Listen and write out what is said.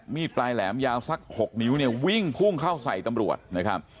มีดปลายแหลมยาวสัก๖นิ้วเนี่ยวิ่งพุ่งเข้าใส่ตำรวจนะครับ